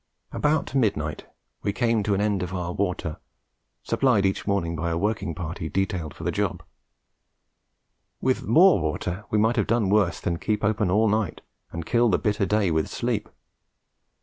About midnight we came to an end of our water, supplied each morning by a working party detailed for the job: with more water we might have done worse than keep open all night and kill the bitter day with sleep.